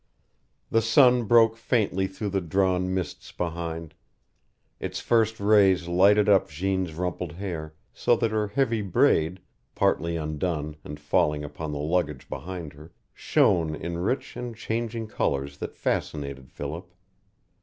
The sun broke faintly through the drawn mists behind. Its first rays lighted up Jeanne's rumpled hair, so that her heavy braid, partly undone and falling upon the luggage behind her, shone in rich and changing colors that fascinated Philip.